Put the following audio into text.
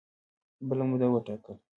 بله موده وټاکله